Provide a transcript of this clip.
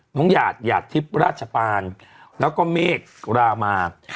หยาดหยาดทิพย์ราชปานแล้วก็เมฆรามา